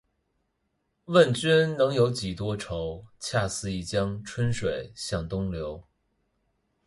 问君能有几多愁？恰似一江春水向东流